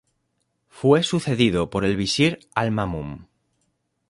Fue sucedido por el visir Al-Ma'mum.